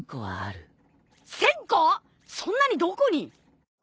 そんなにどこに。